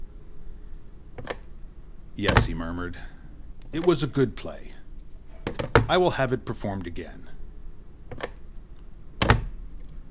"'Yes,' he murmured, 'it was a good play; I will have it performed again.